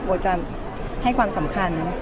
จะให้ความสำคัญ